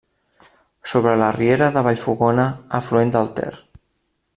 Sobre la riera de Vallfogona, afluent del Ter.